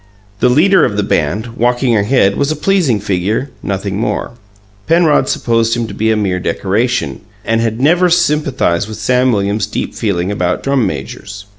The leader of the band, walking ahead, was a pleasing figure, nothing more. Penrod supposed him to be a mere decoration, and had never sympathized with Sam Williams' deep feeling about drum majors.